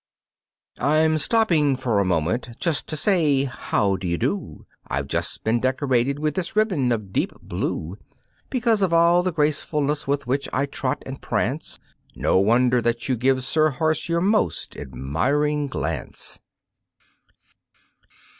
"I'm stopping for a moment just to say 'How do you do?' I've just been decorated with this ribbon of deep blue Because of all the gracefulness with which I trot and prance No wonder that you give Sir Horse your most admiring glance!"